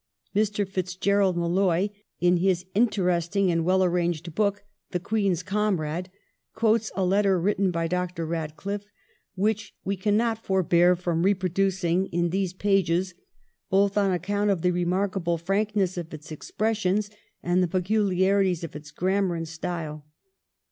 Mr. Fitzgerald Molloy, in his interesting and weU arranged book 'The Queen's Comrade/ quotes a letter written by Dr. EadcUffe which we cannot forbear from reproducing in these pages both on account of the remarkable frankness of its expres sions and the peculiarities of its grammar and style.